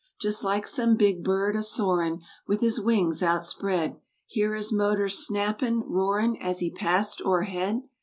Just like some big bird a soarin' With his wings outspread. Hear his motor snappin'—roarin' As he passed o'er head?